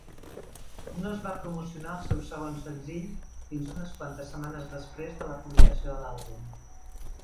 No es va promocionar el seu segon senzill fins unes quantes setmanes després de la publicació de l'àlbum.